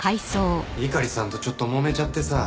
猪狩さんとちょっともめちゃってさあ。